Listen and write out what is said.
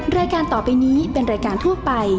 แม่บ้านประจันบรรย์